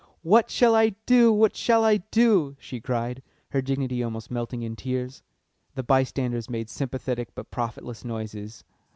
"What shall I do? What shall I do?" she cried, her dignity almost melting in tears. The by standers made sympathetic but profitless noises.